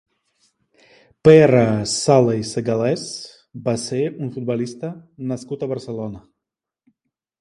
Pere Sala i Segalés va ser un futbolista nascut a Barcelona.